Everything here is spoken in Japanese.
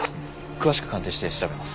詳しく鑑定して調べます。